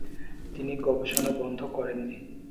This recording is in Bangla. তিনি গবেষণা বন্ধ করেন নি।